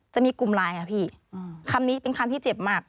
จะมีกลุ่มไลน์ค่ะพี่คำนี้เป็นคำที่เจ็บมาก